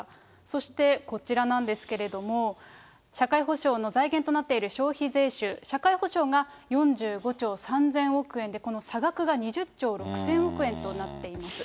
そしてこちらなんですけれども、社会保障の財源となっている消費税収、社会保障が４５兆３０００億円で、この差額が２０兆６０００億円となっています。